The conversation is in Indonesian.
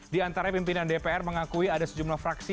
di antara pimpinan dpr mengakui ada sejumlah fraksi